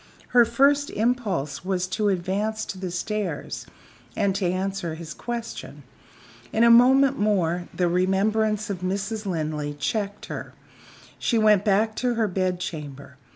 Her first impulse was to advance to the stairs and to answer his question. In a moment more the remembrance of Mrs. Linley checked her. She went back to her bed chamber.